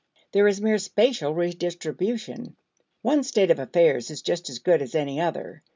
There is mere spatial redistribution. One state of affairs is just as good as any other.